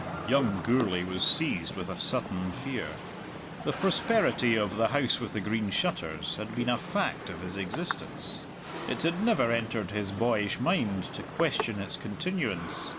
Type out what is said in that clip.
Young Gourlay was seized with a sudden fear. The prosperity of the House with the Green Shutters had been a fact of his existence; it had never entered his boyish mind to question its continuance.